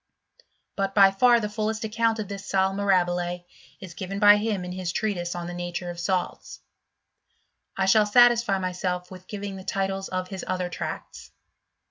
But by far the fullest ac » count of this sal mirahile is given by him in his trea tise on the nature of salts. I shall satisfy myself with giving the titles of his other tracts.